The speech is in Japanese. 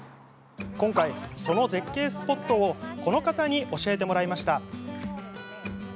今回、その絶景スポットをこの方に教えてもらいました。